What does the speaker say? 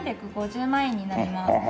１３５０万円になります。